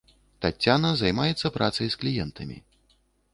Таццяна займаецца працай з кліентамі.